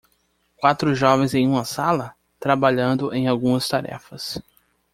Quatro jovens em uma sala? trabalhando em algumas tarefas.